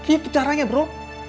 itu cara kamu